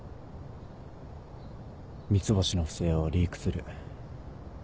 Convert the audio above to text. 三ツ星の不正をリークする。